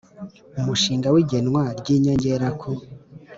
Umushinga w igenwa ry inyongera ku